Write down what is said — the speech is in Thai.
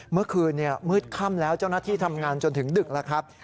เมื่อคืนมืดค่ำแล้วเจ้าหน้าที่ทำงานจนถึงดึกแล้วครับ